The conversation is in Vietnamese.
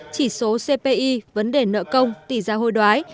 chỉ số cpi vấn đề nợ công tỷ gia hôi đoái